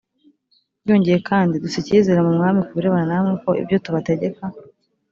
byongeye kandi dufite icyizere mu mwami ku birebana namwe ko ibyo tubategeka